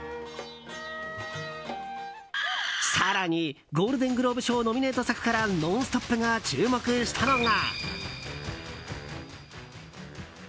更にゴールデングローブ賞ノミネート作から「ノンストップ！」が注目したのが。